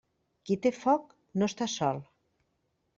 Qui té foc no està sol.